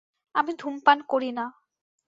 আমি ধূমপান করি না!